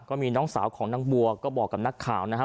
ก็มีน้องสาวของนางบัวก็บอกกับนักข่าวนะครับ